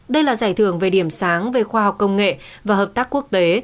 đây là giải thưởng về điểm sáng về khoa học công nghệ và hợp tác quốc tế